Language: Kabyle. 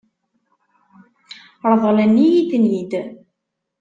Ṛeḍlen-iyi-ten-id?